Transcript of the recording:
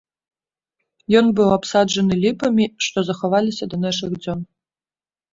Ён быў абсаджаны ліпамі, што захаваліся да нашых дзён.